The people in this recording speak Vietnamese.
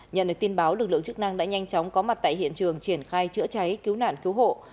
nhận được tin báo lực lượng chức năng đã nhanh chóng có mặt tại hiện trường triển khai chữa cháy cứu nạn cứu hộ